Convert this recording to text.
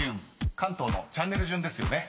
関東のチャンネル順ですよね］